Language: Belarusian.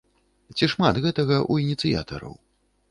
Ці шмат гэтага ў ініцыятараў?